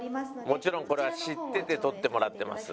もちろんこれは知ってて撮ってもらっています。